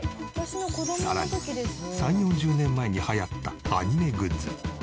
さらに３０４０年前に流行ったアニメグッズ。